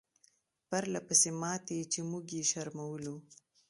پرله پسې ماتې چې موږ یې شرمولو.